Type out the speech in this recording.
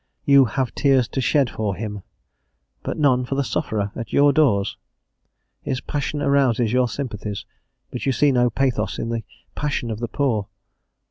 You "have tears to shed for him," but none for the sufferer at your doors? His passion arouses your sympathies, but you see no pathos in the passion of the poor?